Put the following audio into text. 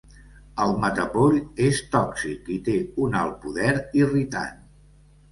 El matapoll és tòxic i té un alt poder irritant.